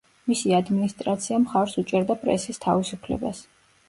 მისი ადმინისტრაცია მხარს უჭერდა პრესის თავისუფლებას.